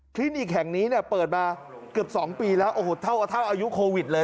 นิกแห่งนี้เนี่ยเปิดมาเกือบ๒ปีแล้วโอ้โหเท่าอายุโควิดเลย